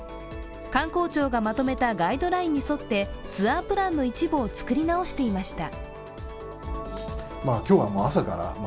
観光庁がまとめたガイドラインに沿ってツアープランの一部を作り直していました。